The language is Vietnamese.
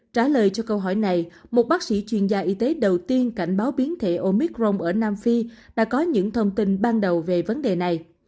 trả lời cho câu hỏi này một bác sĩ chuyên gia y tế đầu tiên cảnh báo biến thể omicron ở nam phi đã có những thông tin ban đầu về vấn đề này